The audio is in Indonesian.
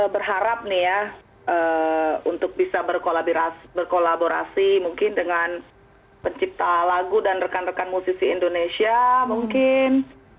berharap nih ya untuk bisa berkolaborasi mungkin dengan pencipta lagu dan rekan rekan musisi indonesia mungkin